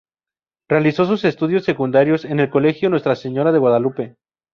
Realizó sus estudios secundarios en el Colegio Nuestra Señora de Guadalupe.